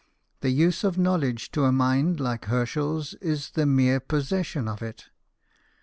The use of knowledge to a mind like Herschel's is the mere possession of it.